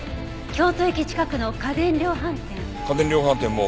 京都駅近くの家電量販店？